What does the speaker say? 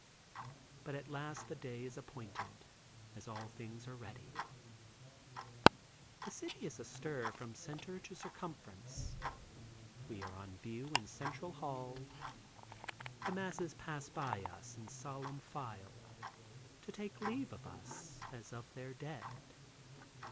But at last the day is appointed, as all things are ready. The city is astir from center to circumference. We are on view in Central Hall. The masses pass by us in solemn file to take leave of us, as of their dead.